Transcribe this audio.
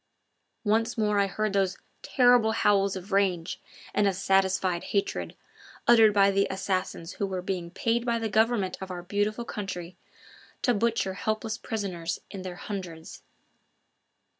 Once more I heard those terrible howls of rage and of satisfied hatred, uttered by the assassins who were being paid by the government of our beautiful country to butcher helpless prisoners in their hundreds.